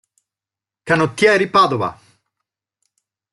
Canottieri Padova